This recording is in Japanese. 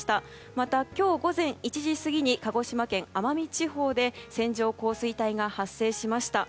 また、今日午前１時過ぎに鹿児島県奄美地方で線状降水帯が発生しました。